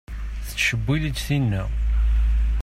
Tcewwel-itt tinna?